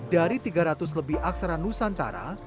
dari tiga ratus lebih aksara nusantara